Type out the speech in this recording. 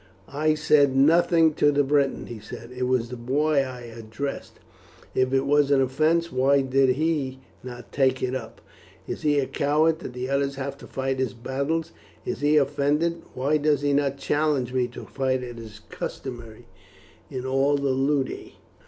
"I said nothing to the Briton," he said; "it was the boy I addressed. If it was an offence, why did he not take it up? Is he a coward that others have to fight his battles? If he is offended, why does he not challenge me to fight, as is customary in all the ludi?"